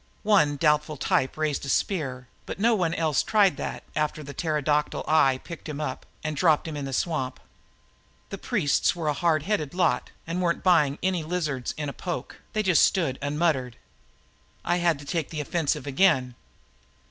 One doubtful type raised a spear, but no one else tried that after the pterodactyl eye picked him up and dropped him in the swamp. The priests were a hard headed lot and weren't buying any lizards in a poke; they just stood and muttered. I had to take the offensive again.